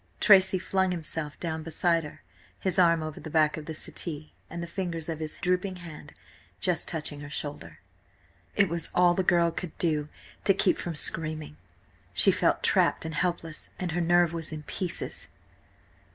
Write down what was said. Tracy flung himself down beside her, his arm over the back of the settee and the fingers of his drooping hand just touching her shoulder. It was all the girl could do to keep from screaming. She felt trapped and helpless, and her nerve was in pieces.